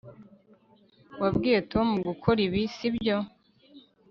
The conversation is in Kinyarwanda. wabwiye tom gukora ibi, sibyo